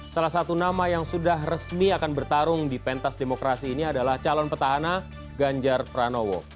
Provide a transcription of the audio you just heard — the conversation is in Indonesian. salah satu nama yang sudah resmi akan bertarung di pentas demokrasi ini adalah calon petahana ganjar pranowo